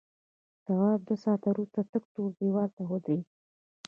تواب دوه ساعته وروسته تک تور دیوال ته ودرېد.